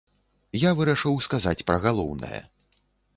Я вырашыў сказаць пра галоўнае.